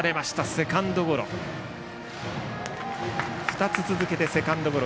２つ続けてセカンドゴロ。